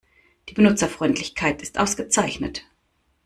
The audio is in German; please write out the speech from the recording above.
Die Benutzerfreundlichkeit ist ausgezeichnet.